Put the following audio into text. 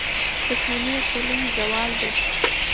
• دښمني د ټولنې زوال دی.